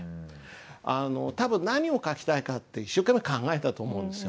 多分何を書きたいかって一生懸命考えたと思うんですよ。